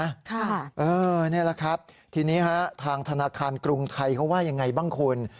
นี่แหละครับทีนี้ฮะทางธนาคารกรุงไทยเขาว่ายังไงบ้างคุณ